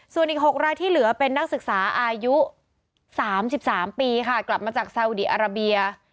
ส่วนอีก๖รายที่เหลือเป็นนักศึกษาอายุ๓๓ปีค่ะกลับมาจากซาอุดีอาราเบีย